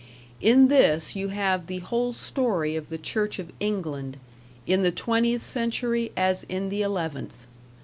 In this you have the whole story of the church of England, in the twentieth century as in the eleventh.